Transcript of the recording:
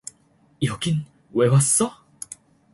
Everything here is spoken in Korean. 여긴 왜 왔어?